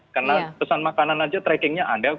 karena pesan makanan aja trackingnya ada kok